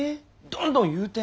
どんどん言うて。